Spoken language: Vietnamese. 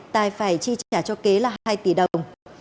tài phải chi trả cho kế là hai tỷ đồng